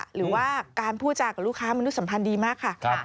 หรือว่าการพูดจากับลูกค้ามนุษยสัมพันธ์ดีมากค่ะ